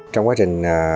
trong quá trình